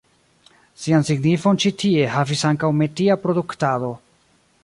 Sian signifon ĉi tie havis ankaŭ metia produktado.